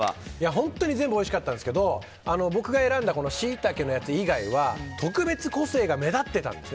本当に全部おいしかったんですけど僕が選んだシイタケはそれ以外は特別個性が目立ってたんです。